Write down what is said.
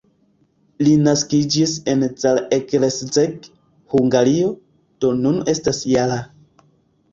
Li naskiĝis en Zalaegerszeg, Hungario, do nun estas -jara.